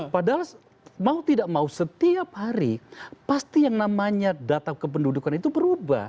padahal mau tidak mau setiap hari pasti yang namanya data kependudukan itu berubah